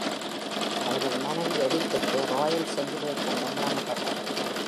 அவரது மனைவி எடித்துக்கு ராயல் செஞ்சிலுவை சங்கம் வழங்கப்பட்டது.